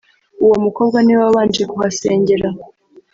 uwo mukobwa ni we wabanje kuhasengera